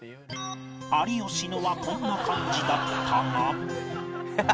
有吉のはこんな感じだったが